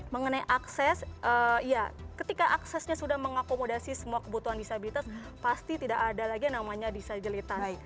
mengenai akses ya ketika aksesnya sudah mengakomodasi semua kebutuhan disabilitas pasti tidak ada lagi yang namanya disabilitas